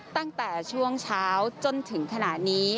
ตั้งแต่ช่วงเช้าจนถึงขณะนี้